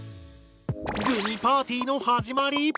⁉グミパーティーの始まり。